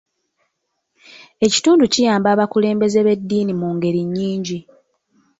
Ekitundu kiyamba abakulembeze b'eddiini mu ngeri nyingi .